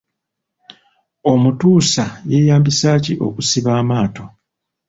Omutuusa yeeyambisa ki okusiba amaato?